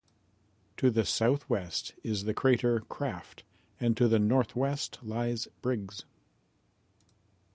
To the southwest is the crater Krafft and to the northwest lies Briggs.